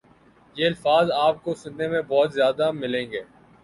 یہ الفاظ آپ کو سنے میں بہت زیادہ ملیں گے